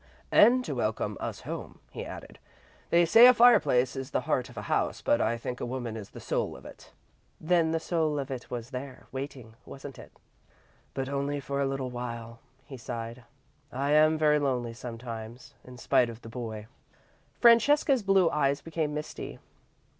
"And to welcome us home," he added. "They say a fireplace is the heart of a house, but I think a woman is the soul of it." "Then the soul of it was there, waiting, wasn't it?" "But only for a little while," he sighed. "I am very lonely sometimes, in spite of the boy." Francesca's blue eyes became misty.